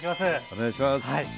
お願いします。